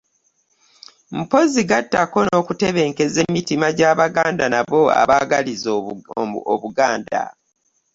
Mpozzi gattako n'okutebenkeza emitima gy'abaganda n'abo abaagaliza obuganda.